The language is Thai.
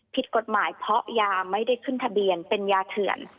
ผิดกฎหมายเพราะยาไม่ได้ขึ้นทะเบียนเป็นยาเถื่อน